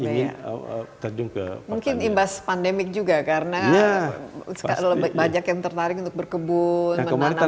mungkin imbas pandemik juga karena banyak yang tertarik untuk berkebun menanam